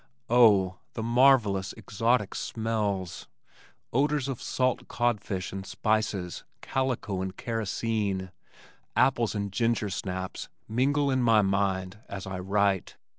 Oh! the marvellous exotic smells! Odors of salt codfish and spices, calico and kerosene, apples and ginger snaps mingle in my mind as I write.